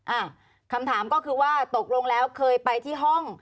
อ่าคำถามก็คือว่าตกลงแล้วเคยไปที่ห้อง